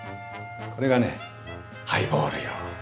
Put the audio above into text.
これがねハイボール用。